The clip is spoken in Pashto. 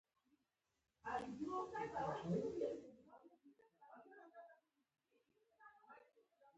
لومړۍ ډله دې خپلواکۍ ته د رسیدو پر لاملونو خبرې وکړي.